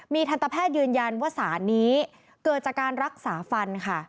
ทันตแพทย์ยืนยันว่าสารนี้เกิดจากการรักษาฟันค่ะ